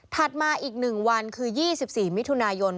มาอีก๑วันคือ๒๔มิถุนายน